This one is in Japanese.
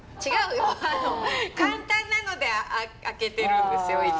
違うよ簡単なので開けてるんですよ